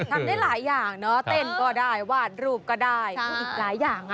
ทำได้หลายอย่างเนอะเต้นก็ได้วาดรูปก็ได้พูดอีกหลายอย่าง